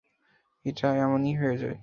এটা এমনিই হয়ে যায়।